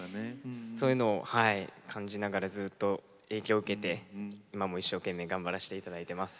そういうのを感じながらずっと影響を受けて今も一生懸命頑張らせて頂いてます。